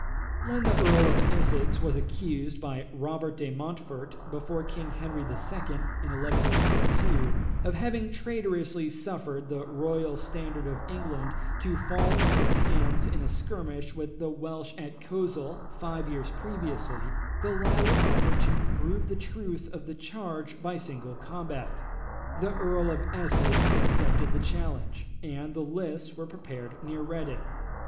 When the Earl of Essex was accused, by Robert de Montfort, before King Henry II., in 1162, of having traitorously suffered the royal standard of England to fall from his hands in a skirmish with the Welsh at Coleshill, five years previously, the latter offered to prove the truth of the charge by single combat. The Earl of Essex accepted the challenge, and the lists were prepared near Reading.